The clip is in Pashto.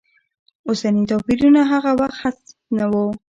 اوسني توپیرونه هغه وخت هېڅ نه و.